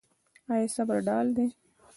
آیا صبر ډال دی؟